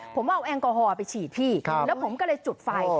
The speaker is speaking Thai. ผมเอาแอลกอฮอลไปฉีดพี่แล้วผมก็เลยจุดไฟ